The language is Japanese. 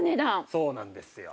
そうなんですよ。